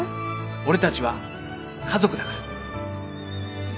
俺たちは家族だから。